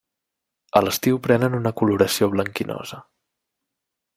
A l'estiu prenen una coloració blanquinosa.